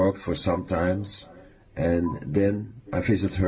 เปิดคลิปแรกหรอ